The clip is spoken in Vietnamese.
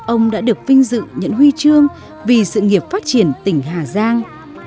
ông đã được vinh dự nhận huy chương vì sự nghiệp phát triển tỉnh hà giang